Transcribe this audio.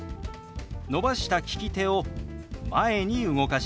伸ばした利き手を前に動かします。